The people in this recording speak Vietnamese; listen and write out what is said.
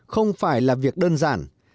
không phải là việc đơn giản